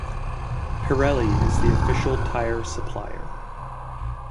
Pirelli is the official tyre supplier.